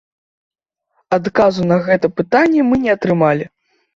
Адказу на гэтае пытанне мы не атрымалі.